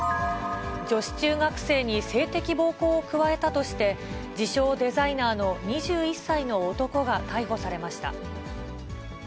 女子中学生に性的暴行を加えたとして、自称デザイナーの２１歳の男が逮捕されました。